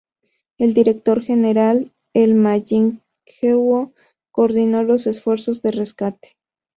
El director general, el Ma Ying-jeou, coordinó los esfuerzos de rescate.